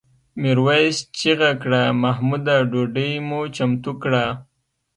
میرويس چیغه کړه محموده ډوډۍ مو چمتو کړه؟